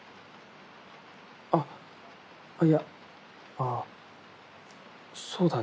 あっいやあっそうだね。